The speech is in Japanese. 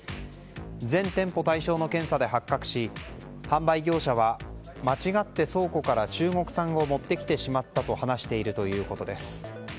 全店舗対象の検査で発覚し販売業者は間違って、倉庫から中国産を持ってきてしまったと話しているということです。